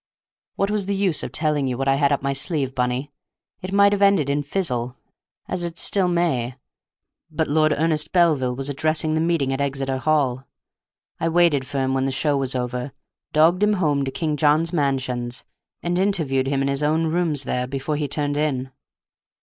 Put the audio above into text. What was the use of telling you what I had up my sleeve, Bunny? It might have ended in fizzle, as it still may. But Lord Ernest Belville was addressing the meeting at Exeter Hall; I waited for him when the show was over, dogged him home to King John's Mansions, and interviewed him in his own rooms there before he turned in."